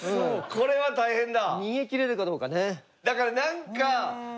これは大変だ。